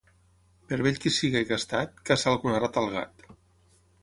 Per vell que sia i gastat, caça alguna rata el gat.